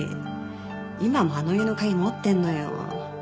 今もあの家の鍵持ってるのよ。